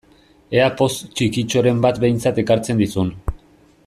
Ea poz txikitxoren bat behintzat ekartzen dizun!